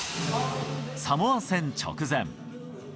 サモア戦直前。